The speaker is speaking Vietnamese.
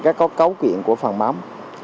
cái có cấu quyện của phần mắm